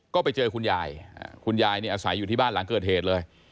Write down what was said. ก็ไปเจอคุณยายคุณยายเนี่ยอาศัยอยู่ที่บ้านหลังเกิดเหตุเลย